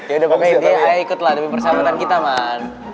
ya udah pokoknya dia ayo ikutlah demi persahabatan kita man